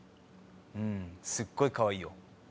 うんすっごいかわいいよ。